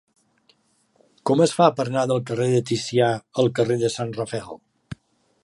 Com es fa per anar del carrer de Ticià al carrer de Sant Rafael?